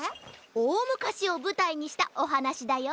おおむかしをぶたいにしたおはなしだよ。